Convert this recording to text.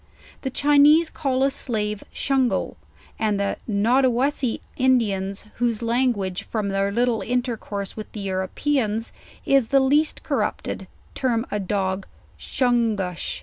The Chinese call a slave shungo; and the Naudowesdie Indians, whose language, from their little in tercourse with the Europeans, is the least corrupted, term a dog shungush.